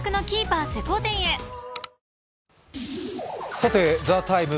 さて「ＴＨＥＴＩＭＥ，」